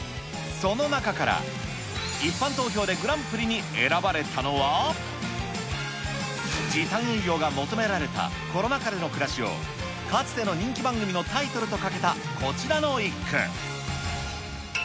その中から、一般投票でグランプリに選ばれたのは、時短営業が求められたコロナ禍での暮らしを、かつての人気番組のタイトルとかけた、こちらの一句。